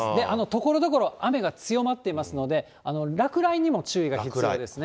ところどころ雨が強まっていますので、落雷にも注意が必要ですね。